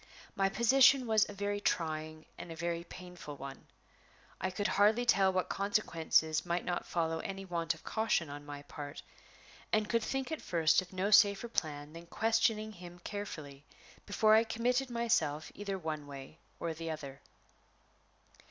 My position was a very trying and a very painful one. I could hardly tell what consequences might not follow any want of caution on my part, and could think at first of no safer plan than questioning him carefully before I committed myself either one way or the other.